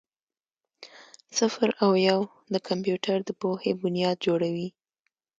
صفر او یو د کمپیوټر د پوهې بنیاد جوړوي.